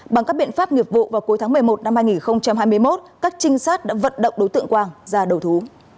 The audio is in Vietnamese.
bằng các biện pháp nghiệp vụ vào cuối tháng một mươi một năm hai nghìn hai mươi một các trinh sát đã vận động đối tượng quang ra đầu thú